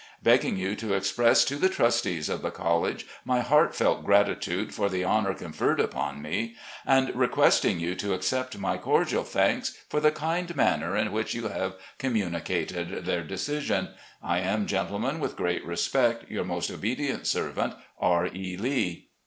Begging you to express to the trustees of the college my heartfelt i 82 recollections of general lee gratitude for the honour conferred upon me, and request ing you to accept my cordial thanks for the kind manner in which you have commtmicated their decision, I am, gentlemen, with great respect, your most obedient servant, R. E. Lee."